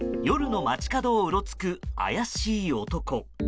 夜の街角をうろつく怪しい男。